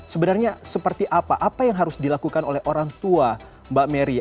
sebenarnya seperti apa apa yang harus dilakukan oleh orang tua mbak mary